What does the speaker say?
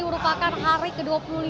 merupakan hari ke dua puluh lima